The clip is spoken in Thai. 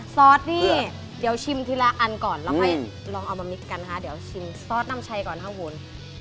ซอสนี่เดี๋ยวชิมทีละอันก่อนเราไปลองเอามามิกกันค่ะเดี๋ยวชิมซอสนำชัยก่อนครับคุณ